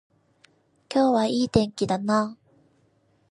今日はいい天気だな